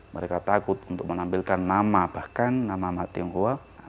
mereka takut untuk menampilkan nama bahkan nama nama tionghoa